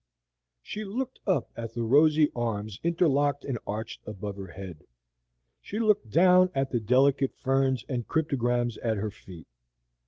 She looked up at the rosy arms interlocked and arched above her head. She looked down at the delicate ferns and cryptogams at her feet.